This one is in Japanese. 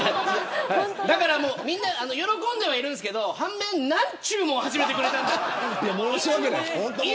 だからみんな喜んでるんですけど半面、何ちゅうものを始めてくれたんだと。